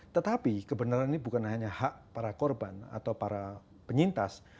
tetapi kebenaran ini bukan hanya hak para korban atau para penyintas